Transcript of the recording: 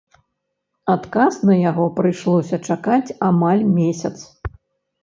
Адказ на яго прыйшлося чакаць амаль месяц.